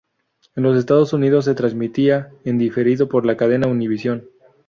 En los Estados Unidos se transmitía en diferido por la cadena Univisión.